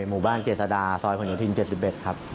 หมู่บ้านเจษฎาซอยผลโยธิน๗๑ครับ